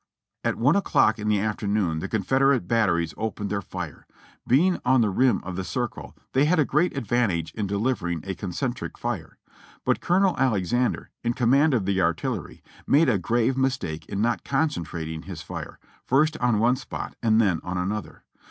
At I o'clock in the afternoon the Confederate batteries opened their fire; being on the rim of the circle, they had a great ad vantage in delivering a concentric fire; but Colonel Alexander, in command of the artillery, made a grave mistake in not concen trating his fire, first on one spot, and then on another.